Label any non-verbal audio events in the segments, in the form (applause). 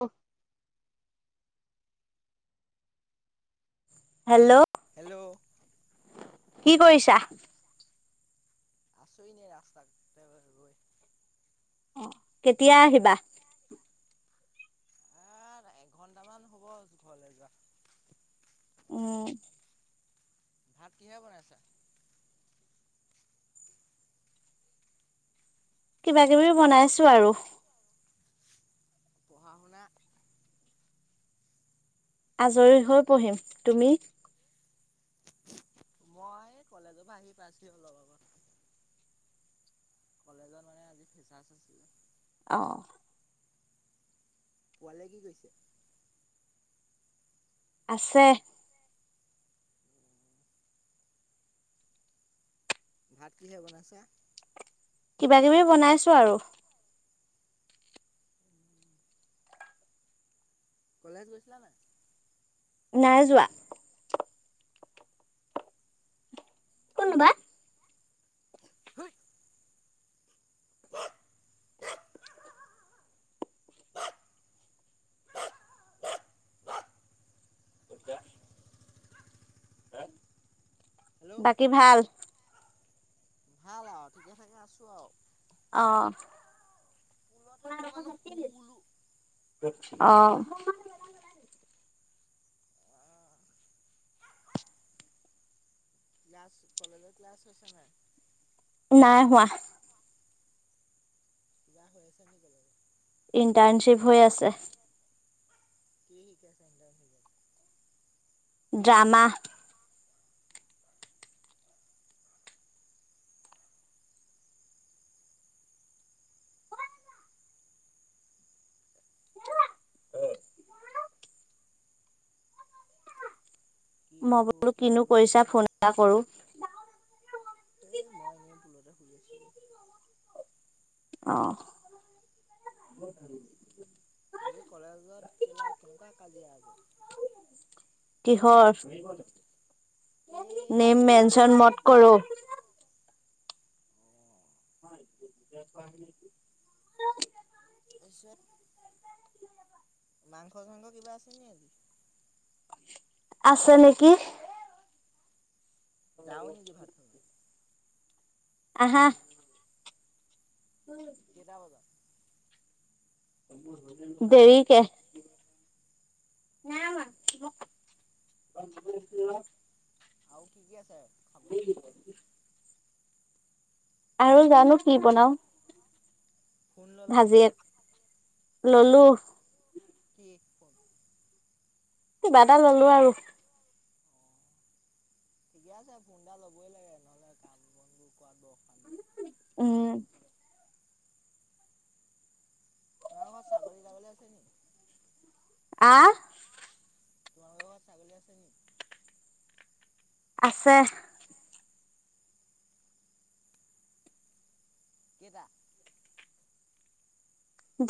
অ hello hello কি কৰিছা। আছোঁ এনেই ৰাস্তা অতুনিৰ পৰা ৰৈ অ কেতিয়া আহিবা। আহ এক ঘন্টা হ'ব ঘৰলৈ যোৱা। উম ভাত কিহে বনাইছা কিবা কিবি বনাইছোঁ আৰু। পঢ়া- শুনা আজৰি হৈ পঢ়িম তুমি? মই কলেজৰ পৰা আহি পাইছোঁ অলপ আগত। কলেজত মানে আজি ফ্ৰেছাৱা আছিল। অহ পোৱালীয়ে কি কৰিছে আছে। ভাত কিহে বনাইছা। কিবা কিবি বনাইছোঁ আৰু। কলেজ গৈছিলা নাই। নাই যোৱা। কোন নো বা। হয় সতি (inaudible) হেল্ল' বাকী ভাল। ভাল ঠিকে থাকে আছোঁ আৰু। আহ পুলতে অকণমান শু বোলো অ ক্লাছ কলেজৰ ক্লাছ হৈছে নাই। নাই হোৱা। (unintelligible) ইণ্টাৰ্ণশ্বিপ হৈ আছে। (unintelligible) ড্ৰামা (unintelligible) কি মই সুধো বোলো কি কিনো কৰিছা ফোন সুধো এটা কৰো (unintelligible) অ আজি কলেজত কেলা কেনেকুৱা কাজিয়া হব কিহৰ এই নেম ক'বা ল'ৰা মেনচন মত কৰো (unintelligible) (unintelligible) মংস চাংগ কিবা আছে নেকি আছে নেকি যাওঁ নেকি ভাত খাবলে আহা কেইটা বজাত দেৰিকে (unintelligible) আৰু কি কি আছে খাবলৈ (unintelligible) আৰু জানো কি বনাও ফোন ললা ভাজি বোলে ললো কি কিবা এটা ললো আৰু ঠিকে আছে ফোন এটা লবই লাগে নহলে কাম বন বোৰ কৰাত বৰ অশান্তি উম তোমাৰ ঘৰত ছাগলী টাগলী আছে নেকি আহ তোমালোকৰ ঘাৰত ছাগলী আছে নেকি আছে কেইটা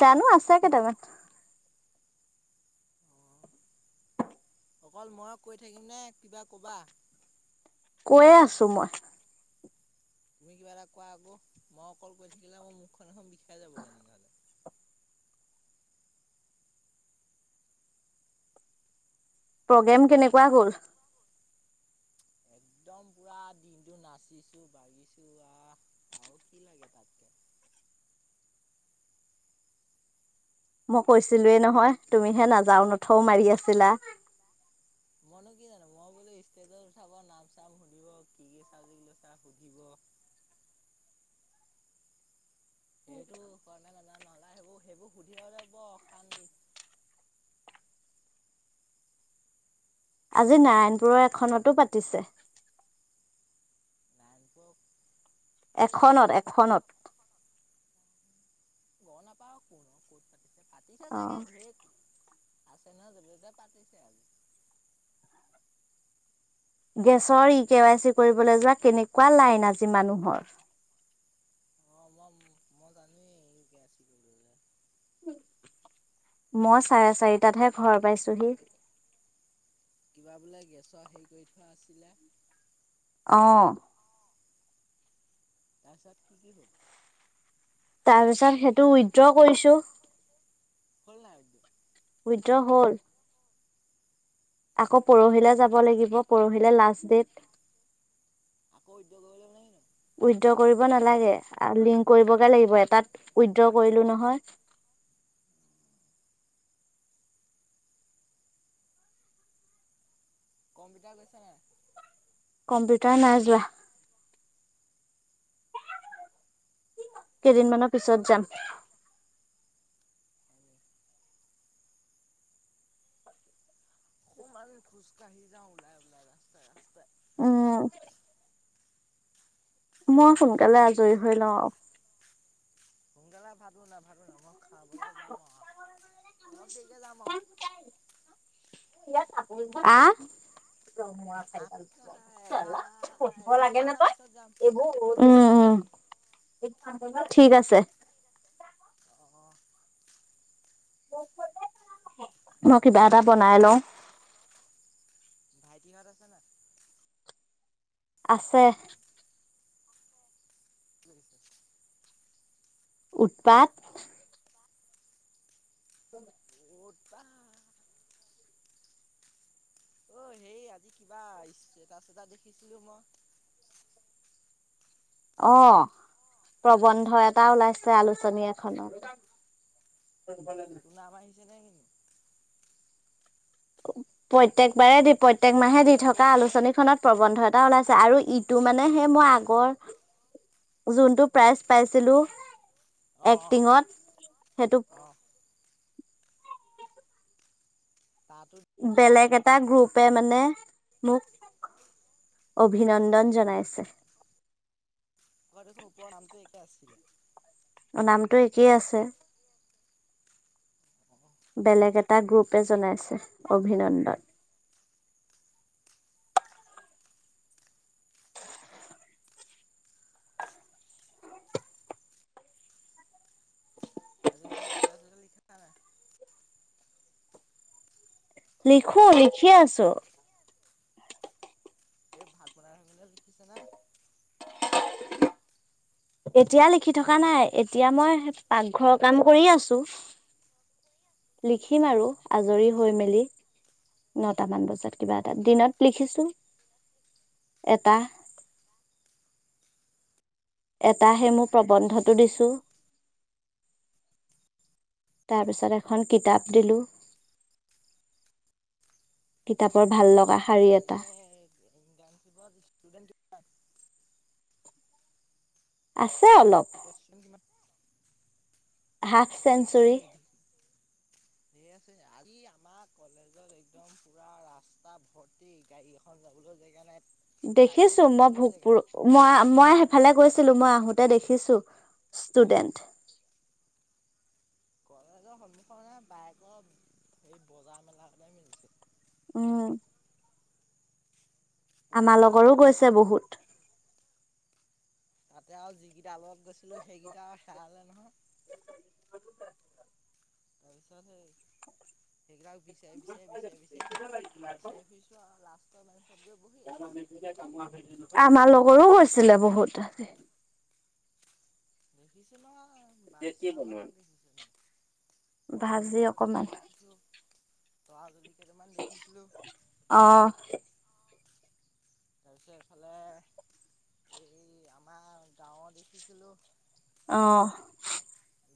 জানো আছে কেইটামান অকল ম‌ইয়ে কৈ থাকিম নে কিবা কবা কৈয়ে আছো মই তুমি কিবা এটা কোৱা আক মই অকল কৈ থাকিলে মই মুখ খন বিষাই যাব তেনেকে হলে (inaudible) প্ৰগ্ৰেম কেনেকুৱা হ'ল (inaudible) একদম পুৰা দিনত নাচিছো, বাগিছো আহ আৰু কি লাগে তাতকে। (inaudible) মই কৈছিলোয়ে নহয়, তুমিহে নাযাও নথও মাৰি আছিলা। মইনো কি জানো মই বোলো ষ্টেজত উঠাব। নাম চাম সুধিব, কি কি চাবজেক লৈছা সুধিব। (inaudible) সেইটো কৰেনে নাজানো আৰু। সেইবোৰ সেইবোৰ সুধিলে বৰ অশান্তি। আজি নাৰায়ণপুৰৰ এখনতো পাতিছে। নাৰায়ণপুৰ এখনত, এখনত। গম নাপাও, কোনো ক'ত পাতিছে। পাতিছে অ চাগে ধেৰ আছে নহয় যতে-ততে। পাতিছে আজি গেছৰ ই কে ৱাই চি কৰিবলৈ যোৱা কেনেকুৱা লাইন আজি মানুহৰ। অ ম মই জানোৱেই গেছ কি কৰিব লাগে। মই চাৰে চাৰিটাতহে ঘৰ পাইছোহি। কিবা বোলে গেছৰ হেৰি কৰি থোৱা আছিলে। অ। তাৰপছত কি-কি হ'ল? তাৰ পিছত সেইটো উইড্ৰ কৰিছো। হ'ল নাই উদ্যোগ উইদ্ৰ হ'ল। আকৌ পৰহিলে যাব লাগিব, পৰহিলে লাষ্ট ডেট। আকৌ উইদ্ৰ (unintelligible) নো উইড্ৰ কৰিব নালাগে, লিংক কৰিবগে লাগিব। এটাত উইড্ৰ কৰিলো নহয়। (inaudible) কন পিটাই গৈছে নাই? কম্পিউটাৰ নাই যোৱা। কেইদিনমানৰ পিছত যাম। আমি? খুব আনি খোচকাহি যাওঁ ওলাই ওলাই ৰাস্তই-ৰাস্তাই। উ। মই সোনকালে আজৰি হৈ লওঁ আৰু। সোনকালে ভাবো (unintelligible) মই। খাবলে যাম অহ। অলপ দেৰিকে যাম আও। (unintelligible) আহ (unintelligible) চাৰিডাল আঠটা (unintelligible) চালা এঘাৰ পঢ়িব এক লাগে নে ঘন্টামানৰ তই। পিছত যাম (unintelligible) উম উম ঠিক আছে। অ মই কিবা এটা বনাই তাৰপিছত লওঁ। ভাইটিহঁত আছে নাই? আছে। (unintelligible) উৎপাত। (unintelligible) কা অ সেই আজি কিবা ইচটেতাছ এটা দেখিছিলো মই। অহ। প্ৰবন্ধ এটা ওলাইছে আলোচনী এখনত। এটো সেইফালে নে। (unintelligible) প্ৰত্যেকবাৰে দি প্ৰত্যেক মাহে দি থকা আলোচনী খনত প্ৰবন্ধ এটা ওলাইছে। আৰু ইটো মানে হে মই আগৰ যোনটো প্ৰাইজ পাইছিলোঁ অ অ এক্টিঙত সেইটো অ তাতো বেলেগ এটা গ্ৰুপে মানে মোক অভিনন্দন জনাইছে। তোমাৰ দেখোন ওপৰৰ নামটো একে আছিলে। নামটো একেই আছে। বেলেগ এটা গ্ৰুপে জনাইছে অভিনন্দন। এনেই কবিতা চবিতা লিখা নাই? লিখো, লিখি আছো। এ ভাত বনাই আছে যে। লিখিচানে? এতিয়া লিখি থকা নাই। এতিয়া মই পাকঘৰৰ কাম কৰি আছো। লিখিম আৰু অ', আজৰি হৈ মেলি। নটামান বজাত কিবা অ', এটা। অ', দিনত লিখিছো। এটা। এটাহে মোৰ প্ৰবন্ধটো দিছো। তাৰ পিছত এখন কিতাপ দিলো। কিতাপৰ ভাল লগা শাৰী এটা এ ইণ্টাৰ্ণচিপত ইছটোদেন্ত কিমান? আছ টোটেল ষ্টুডেণ্ট কিমান? হাফ আছে চেঞ্চুৰী। নি (inaudible) ধেৰ আছে আজি আমাৰ কলেজত একদম পুৰা ৰাস্তা ভৰ্তি গাড়ী এখন যাবলৈ জেগা নাই। চাইকেল দেখিছো এখন মই যাবলৈ জেগা ভোকপুৰ নাই মই-মই ফালে গৈছিলোঁ, মই আহোতে দেখিছো ষ্টুডেন্ট। কলেজৰ সন্মুখৰ বাইকৰ এই বজাৰ মেলা বিলাক মিলিছে। উম। পৰুৱা আমাৰ এটা লগৰো যাবলৈ গৈছে জেগা নাই বহুত। তাতে আৰু যিকিটা লগত গৈছিলোঁ সেইকেইটা অ আৰু হেৰালে নহয়। (unintelligible) তাৰপিছত সেই সেইগাল বিচাৰি-বিচাৰি-বিচাৰি-বিচাৰি-বিচাৰি ফুৰিছো আও। লাষ্ট (unintelligible) আমাৰ লগৰো গৈছিলে বহুত তাতে। দেখিছিলোঁ অ বাইছটা মানত দেখিছিলোঁ। পঠালী ভাজি পাহাৰ অকমান কেইটামান দেখিছিলো তৰাজুলি কেইটামান দেখিছিলোঁ। অ তাৰপিছত এইফালে এই আমাৰ গাঁৱৰ দেখিছিলোঁ। অহ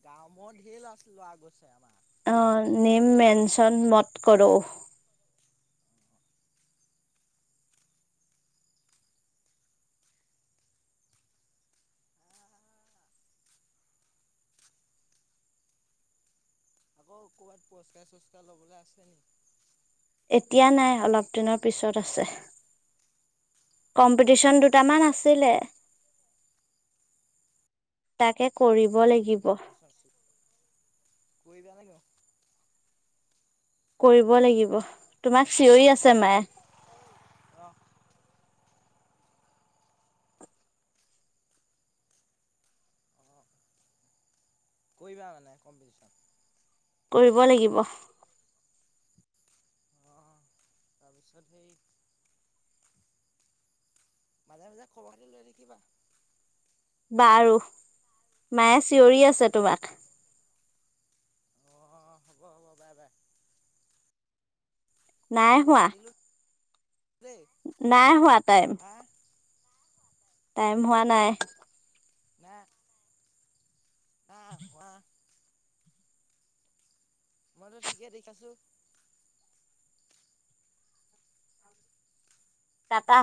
গাঁ মৰ ধেৰ ল ল'ৰা গৈছে আমাৰ অ নেম মেনচন মত কৰৌ। আকৌ ক'বাত পুৰস্কাৰ চোৰস্কাৰ লবলে আছে নি এতিয়া নাই অলপ দিনৰ পিছত আছে। কম্পিটিচন দুটামান আছিলে তাকে কৰিব অঁ লাগি কৰিবা নে কি কৰিব লাগিব তোমাক চিঞৰি আছে মায়ে। অ অঁ কৰিবা মানে কম্পিটিচন। কৰিব লাগিব। অঁ তাৰপিছত সেই মাজে মাজে খবৰটো লৈ থাকিবা। বাৰু মায়ে চিঞৰি আছে তোমাক। অঁ হ'ব হ'ব বাই বাই। নাই হোৱা। কাটিলোঁ দেই নাই হোৱা টাইম। হা টাইম হোৱা নাই। নাই। (inaudible) মইটো ঠিকে খাছো টা‌ টা।